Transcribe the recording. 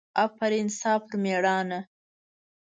افرین ستا پر مېړانه!